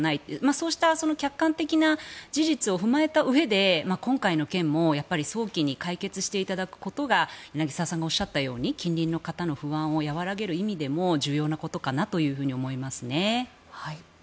そういう客観的な事実を踏まえたうえで今回の件も早期に解決していただくことが柳澤さんがおっしゃったように近隣の方の不安を和らげる意味でも重要なことかなと思いますね。